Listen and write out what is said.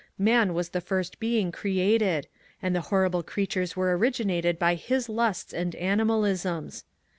Man was the first being created. And the horrible creap tures were originated by his lusts and animalisms.